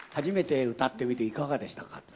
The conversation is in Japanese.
初めて歌ってみていかがでしたか？